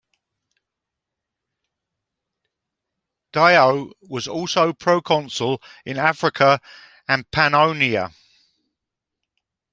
Dio was also Proconsul in Africa and Pannonia.